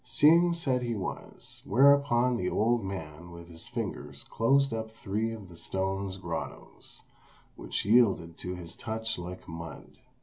Hsing said he was; whereupon the old man with his fingers closed up three of the stone's grottoes, which yielded to his touch like mud.